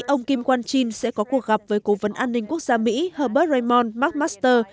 ông kim won jin sẽ có cuộc gặp với cố vấn an ninh quốc gia mỹ herbert raymond mcmaster